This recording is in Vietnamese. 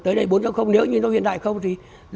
tới đây bốn nếu như hiện đại không thì rất là dễ